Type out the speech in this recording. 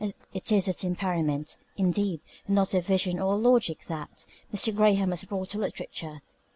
It is a temperament, indeed, not a vision or a logic, that Mr. Graham has brought to literature.